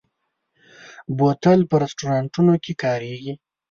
بوتل په رستورانتونو کې کارېږي.